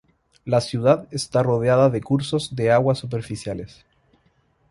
La ciudad está rodeada de cursos de agua superficiales.